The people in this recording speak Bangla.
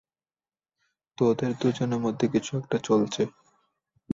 তোদের দুজনের মধ্যে কিছু একটা চলছে!